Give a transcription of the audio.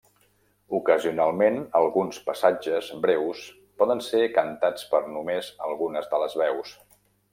Ocasionalment, alguns passatges breus poden ser cantats per només algunes de les veus.